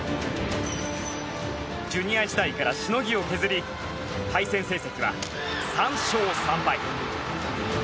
ジュニア時代からのしのぎを削り対戦成績は３勝３敗。